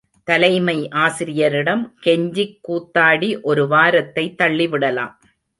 தலைமை ஆசிரியரிடம் கெஞ்சி கூத்தாடி ஒரு வாரத்தை தள்ளிவிடலாம்.